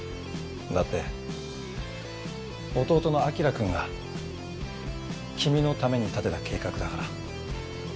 だって弟の輝くんが君のために立てた計画だから。